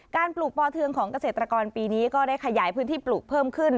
ปลูกปอเทืองของเกษตรกรปีนี้ก็ได้ขยายพื้นที่ปลูกเพิ่มขึ้น